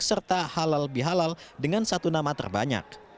serta halal bihalal dengan satu nama terbanyak